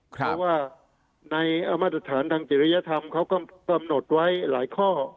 เพราะว่าในเอามาตรฐานทางจริยธรรมเขาก็กำหนดไว้หลายข้อ